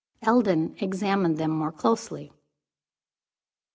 Eldon examined them more closely.